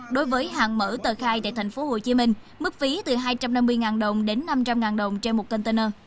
đối với hàng mở tờ khai tại tp hcm mức phí từ hai trăm năm mươi đồng đến năm trăm linh đồng trên một container